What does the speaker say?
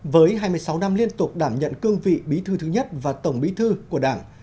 với hai mươi sáu năm liên tục đảm nhận cương vị bí thư thứ nhất và tổng bí thư của đảng